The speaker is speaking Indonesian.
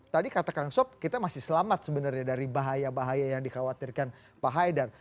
tadi kata kang sob kita masih selamat sebenarnya dari bahaya bahaya yang dikhawatirkan pak haidar